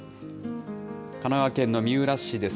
神奈川県の三浦市です。